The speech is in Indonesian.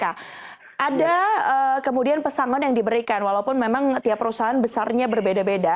ada kemudian pesangon yang diberikan walaupun memang tiap perusahaan besarnya berbeda beda